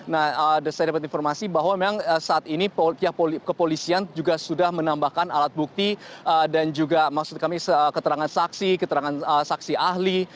nah saya dapat informasi bahwa memang saat ini pihak kepolisian juga sudah menambahkan alat bukti dan juga maksud kami keterangan saksi keterangan saksi ahli